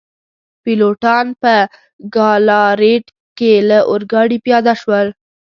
پیلوټان په ګالاریټ کي له اورګاډي پیاده شول.